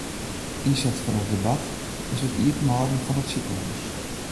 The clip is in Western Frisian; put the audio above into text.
Ynset fan it debat is it iepenhâlden fan it sikehûs.